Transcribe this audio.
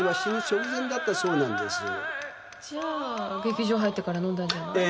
じゃあ劇場入ってから飲んだんじゃない？ええ。